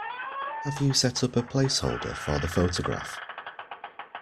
Have you set up a placeholder for the photograph?